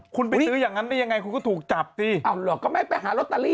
คุณไปซื้ออย่างนั้นได้ยังไงคุณก็ถูกจับสิเอาเหรอก็ไม่ไปหาลอตเตอรี่